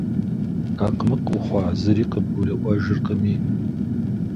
Акъмыкъ ухъуа, зыри къыбгурыӏуэжыркъыми?